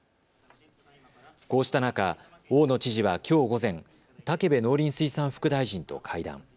こうした中、大野知事はきょう午前、武部農林水産副大臣と会談。